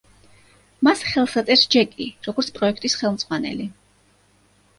მას ხელს აწერს ჯეკი, როგორც პროექტის ხელმძღვანელი.